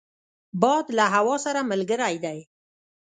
باد له هوا سره ملګری دی